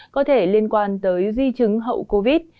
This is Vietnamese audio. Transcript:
có thể liên quan tới di chứng hậu covid